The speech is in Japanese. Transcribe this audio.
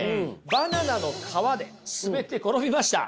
バナナの皮で滑って転びました。